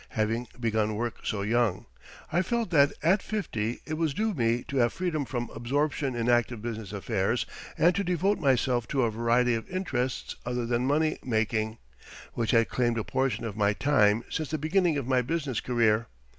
Having begun work so young, I felt that at fifty it was due me to have freedom from absorption in active business affairs and to devote myself to a variety of interests other than money making, which had claimed a portion of my time since the beginning of my business career.